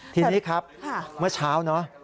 ทีนี้ครับเมื่อเช้า